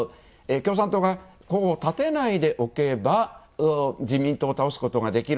共産党が立てないでおけば自民党を倒すことができる。